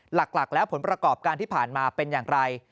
หลักแล้วผลประกอบการที่ผ่านมาเป็นอย่างไร